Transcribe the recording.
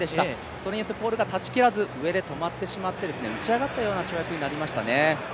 それによってポールが立ち切らず、上に止まってしまって、打ち上がったような跳躍になってしまいましたね。